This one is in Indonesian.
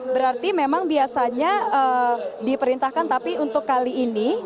berarti memang biasanya diperintahkan tapi untuk kali ini